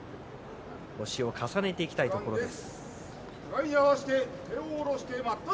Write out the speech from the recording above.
星を重ねていきたいところです。